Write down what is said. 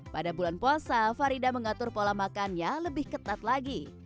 pada bulan puasa farida mengatur pola makannya lebih ketat lagi